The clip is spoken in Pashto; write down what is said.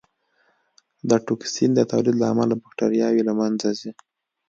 د ټوکسین د تولید له امله بکټریاوې له منځه ځي.